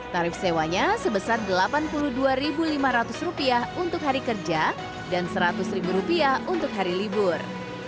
tarif sewanya sebesar rp delapan puluh dua lima ratus untuk hari kerja dan rp seratus untuk hari libur